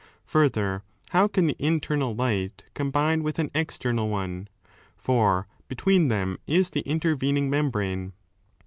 15 Further, how can the internal light combine with an external one, for between them is the intervening membrane.